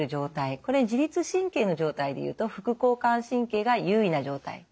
これ自律神経の状態でいうと副交感神経が優位な状態。